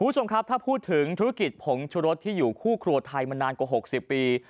ถ้าพูดถึงธุรกิจผงชุรภที่อยู่คู่ครัวไทยมานานกว่า๖๐ปี